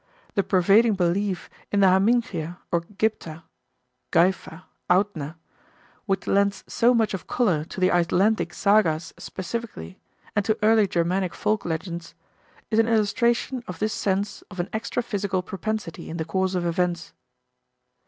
The pervading belief in the hamingia or gipta (gaefa, authna) which lends so much of color to the Icelandic sagas specifically, and to early Germanic folk legends, is an illustration of this sense of an extra physical propensity in the course of events.